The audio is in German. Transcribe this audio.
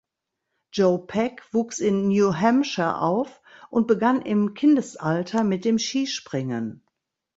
Joe Pack wuchs in New Hampshire auf und begann im Kindesalter mit dem Skispringen.